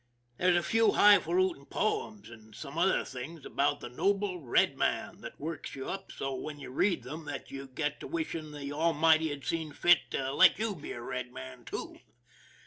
There's a few highfaluting poems, and some other things, about the noble red man that works you up so when you read them that you get to wishing the Almighty had seen fit to let you be a red man, too.